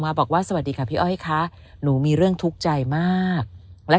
บอกว่าสวัสดีค่ะพี่อ้อยค่ะหนูมีเรื่องทุกข์ใจมากและ